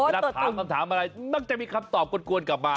ถามคำถามอะไรมักจะมีคำตอบกวนกลับมา